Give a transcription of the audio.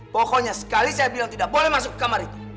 pokoknya sekali saya bilang tidak boleh masuk ke kamar itu